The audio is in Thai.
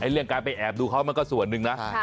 เรื่องการไปแอบดูเขามันก็ส่วนหนึ่งนะ